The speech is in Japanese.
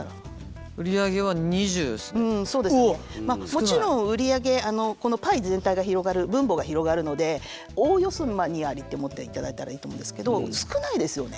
もちろん売り上げパイ全体が広がる分母が広がるのでおおよそ２割って思っていただいたらいいと思うんですけど少ないですよね。